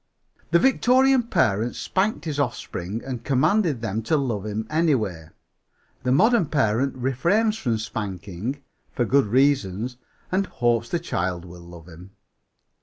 "The Victorian parent spanked his offspring and commanded them to love him any way. The modern parent refrains from spanking (for good reasons) and hopes the child will love him.